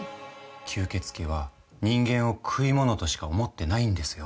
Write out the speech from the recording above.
吸血鬼は人間を食い物としか思ってないんですよ。